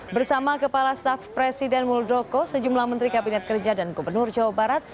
bersama kepala staf presiden muldoko sejumlah menteri kabinet kerja dan gubernur jawa barat